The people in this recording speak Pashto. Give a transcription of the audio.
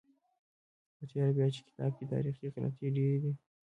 په تېره بیا چې په کتاب کې تاریخي غلطۍ ډېرې دي.